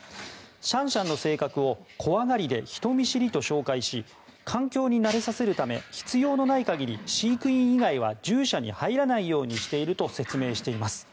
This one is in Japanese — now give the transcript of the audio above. シャンシャンの性格を怖がりで人見知りと紹介し環境に慣れさせるため必要のない限り飼育員以外は獣舎に入らないようにしていると説明しています。